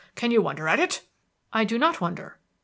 Can you wonder at it?" "I do not wonder."